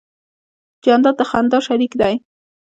جانداد د خندا شریک دی.